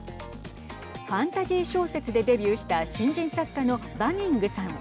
ファンタジー小説でデビューした新人作家のバニングさん。